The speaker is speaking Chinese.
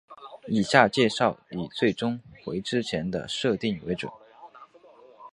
以下介绍以最终回之前的设定为准。